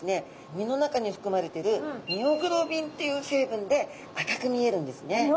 身の中に含まれてるミオグロビンっていう成分で赤く見えるんですね。